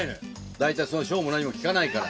大体小も何も聞かないから。